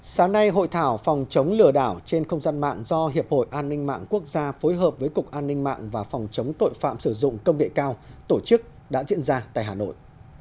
sáng nay hội thảo phòng chống lừa đảo trên không gian mạng do hiệp hội an ninh mạng quốc gia phối hợp với cục an ninh mạng và phòng chống tội phạm sử dụng công nghệ cao tổ chức đã diễn ra tại hà nội